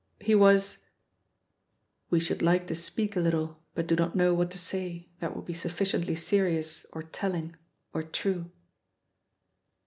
"He was " We should like to speak a little, but do not know what to say that would be sufficiently serious or telling or true.